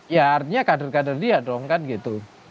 ya artinya kader kader dia dong kan gitu